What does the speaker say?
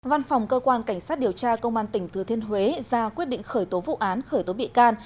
văn phòng cơ quan cảnh sát điều tra công an tỉnh thừa thiên huế ra quyết định khởi tố vụ án khởi tố bị can